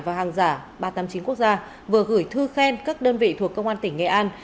và hàng giả ba trăm tám mươi chín quốc gia vừa gửi thư khen các đơn vị thuộc công an tỉnh nghệ an